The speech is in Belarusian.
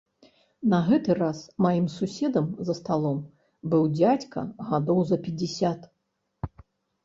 На гэты раз маім суседам за сталом быў дзядзька гадоў за пяцьдзясят.